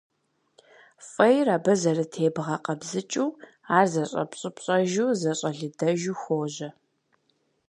Фӏейр абы зэрытебгъэкъэбзыкӏыу, ар зэщӏэпщӏыпщӏэжу, зэщӏэлыдэжу хуожьэ.